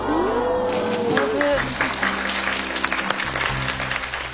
上手。